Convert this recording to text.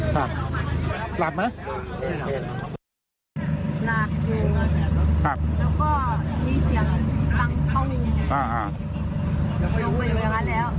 หลับอยู่แล้วก็มีเสียงฟังเข้าหนึ่ง